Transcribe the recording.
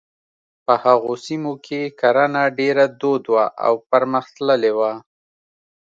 په هغو سیمو کې کرنه ډېره دود وه او پرمختللې وه.